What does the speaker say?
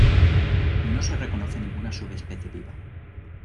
No se reconoce ninguna subespecie viva.